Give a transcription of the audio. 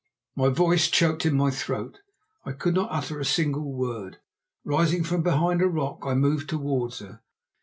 My voice choked in my throat; I could not utter a single word. Rising from behind a rock I moved towards her.